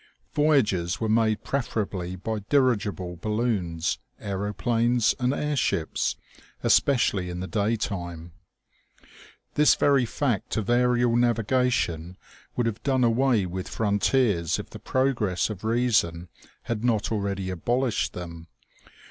Voyages were made preferably by dirigible balloons, aeroplanes and air ships, especially in the daytime. This very fact of aerial navigation would have done away with frontiers if the progress of reason had not already abolished them.